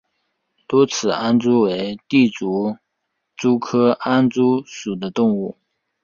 多齿安蛛为栉足蛛科安蛛属的动物。